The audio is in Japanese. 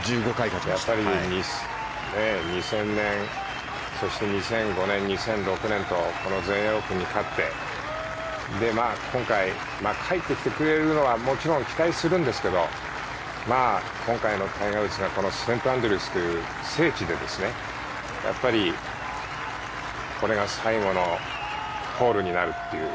やっぱり２０００年そして２００５年、２００６年とこの全英オープンに勝って今回、帰ってきてくれるのはもちろん期待するんですけど今回のタイガー・ウッズがセントアンドリュースという聖地でやっぱり、これが最後のホールになるっていう。